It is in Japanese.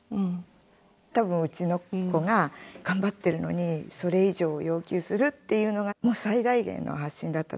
多分うちの子が「頑張ってるのにそれ以上要求する」っていうのがもう最大限の発信だったと思うんですね。